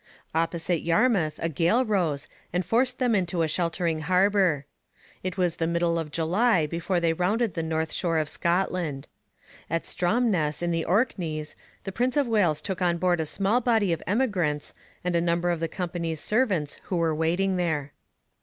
Opposite Yarmouth a gale rose and forced them into a sheltering harbour. It was the middle of July before they rounded the north shore of Scotland. At Stromness in the Orkneys the Prince of Wales took on board a small body of emigrants and a number of the company's servants who were waiting there.